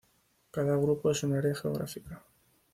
Cada grupo es un área geográfica.